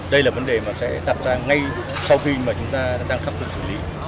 đây là vấn đề mà sẽ đặt ra ngay sau khi mà chúng ta đang sắp xếp xử lý